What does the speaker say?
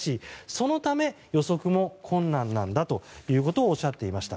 そのため、予測も困難なんだとおっしゃっていました。